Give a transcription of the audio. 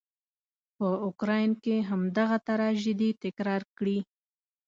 په اوکراین کې همدغه تراژيدي تکرار کړي.